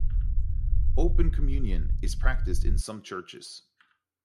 Open communion is practiced in some churches.